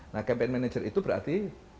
nah campaign manager itu berarti